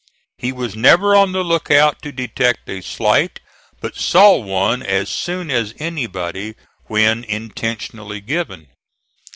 He was never on the lookout to detect a slight, but saw one as soon as anybody when intentionally given.